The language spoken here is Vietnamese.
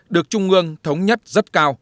được trung ương thống nhất rất cao